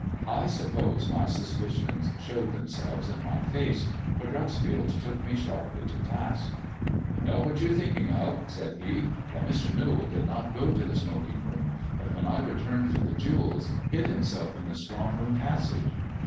I suppose my suspicions showed themselves in my face, for Dreuxfield took me sharply to task. " I know what you are thinking of,'' said he —that Mr. Newall did not go to the smoking room, but when I re turned for the jewels hid himself in the strong room passage.